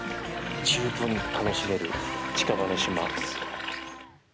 十分楽しめる近場の島。